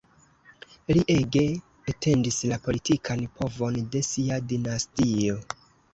Li ege etendis la politikan povon de sia dinastio.